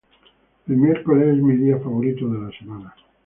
El miércoles es mi día favorito de la semana.